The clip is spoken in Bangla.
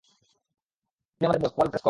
উনি আমাদের বস, পল প্রেসকট।